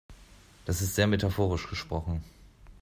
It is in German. Das ist sehr metaphorisch gesprochen.